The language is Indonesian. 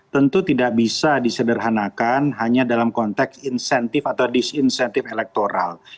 tentu tidak bisa disederhanakan hanya dalam konteks insentif atau disinsentif elektoral